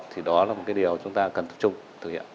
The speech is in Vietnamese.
thì đó là một cái điều chúng ta cần tập trung thực hiện